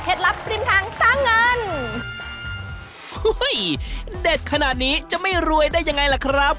ลับริมทางสร้างเงินอุ้ยเด็ดขนาดนี้จะไม่รวยได้ยังไงล่ะครับ